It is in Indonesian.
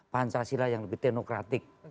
pancasila yang lebih tenokratik